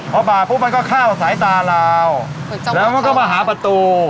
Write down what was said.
เพราะป่าวปุ๊บมันก็ข้าวสายตาราวแล้วมันก็มาหาประตู